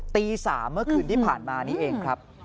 ตี๓เมื่อคืนที่ผ่านมานี้เองครับ